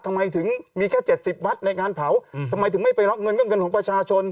ทำไมถึงมีแค่๗๐วัดในงานเผาทำไมถึงไม่ไปรับเงินก็เงินของประชาชน